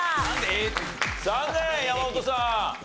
残念山本さん。